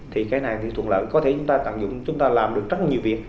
thì cái này thì thuận lợi có thể chúng ta tận dụng chúng ta làm được rất nhiều việc